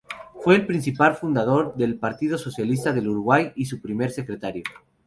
Fue el principal fundador del partido Socialista del Uruguay y su primer secretario.